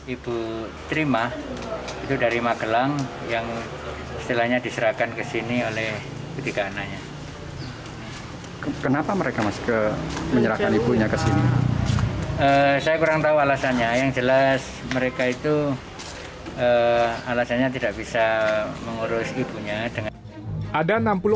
ibu terima sosok yang tertera dalam surat menyerahkan dirinya ke panti jompo menjadi viral